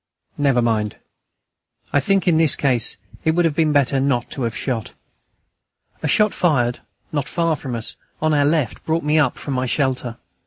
Never mind!... I think in this case it would have been better not to have shot.... A shot fired, not far from us, on our left brought me up from my shelter.